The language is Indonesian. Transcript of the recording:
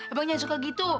abang jangan suka gitu